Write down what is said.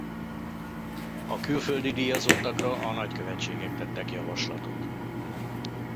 A külföldi díjazottakra a nagykövetségek tettek javaslatot.